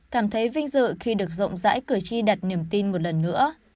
cảm thấy vinh dự khi được rộng rãi cử tri đặt niềm tin một lần nữa